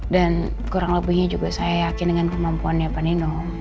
dan kurang lebihnya juga saya yakin dengan kemampuannya pak nino